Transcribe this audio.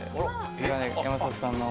眼鏡を山里さんに。